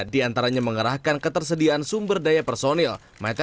diantaranya mengerahkan ketersediaan sumber daya personil